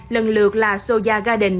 lần lượt là soya garden